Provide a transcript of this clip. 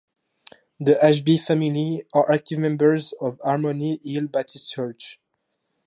The Ashby family are active members of Harmony Hill Baptist Church.